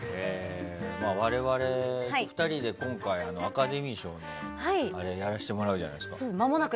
我々２人で、今回アカデミー賞をやらせてもらうじゃないですか。